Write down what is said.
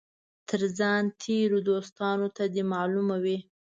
تر ځان تېرو دوستانو ته دي معلومه وي.